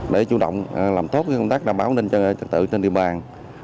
để chủ động làm tốt công tác bảo đảm an ninh trật tự trên địa bàn